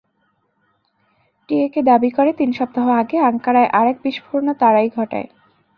টিএকে দাবি করে, তিন সপ্তাহ আগে আঙ্কারায় আরেক বিস্ফোরণও তারাই ঘটায়।